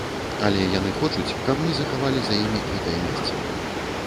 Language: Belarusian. Але яны хочуць, каб мы захавалі за імі гэтае месца.